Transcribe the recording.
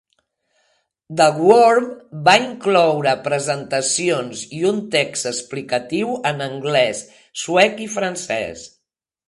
"The Worm" va incloure presentacions i un text explicatiu en anglès, suec i francès.